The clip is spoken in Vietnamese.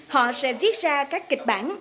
họ sẽ viết ra các kịch bản